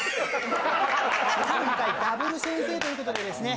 今回ダブル先生ということでですね